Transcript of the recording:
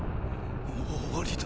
もう終わりだ。